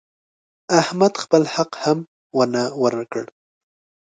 احمد خپل حق هم ونه ورکړ.